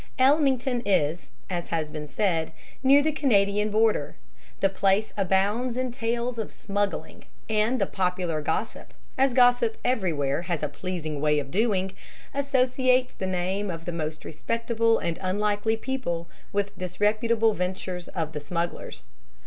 Ellmington is, as has been said, near the Canadian border. The place abounds in tales of smuggling, and the popular gossip, as gossip everywhere has a pleasing way of doing, associates the names of the most respectable and unlikely people with the disreputable ventures of the smugglers.